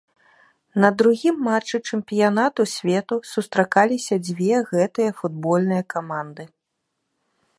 На другім матчы чэмпіянату свету сустракаліся дзве гэтыя футбольныя каманды.